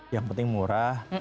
yang penting murah